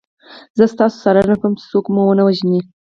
زه ستاسو څارنه کوم چې څوک مو ونه وژني